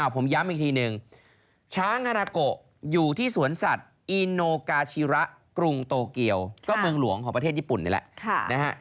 ผมย้ำอีกทีหนึ่งช้างฮานาโกอยู่ที่สวนสัตว์อีโนกาชิระกรุงโตเกียวก็เมืองหลวงของประเทศญี่ปุ่นนี่แหละ